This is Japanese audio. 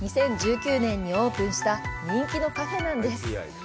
２０１９年にオープンした人気のカフェなんです。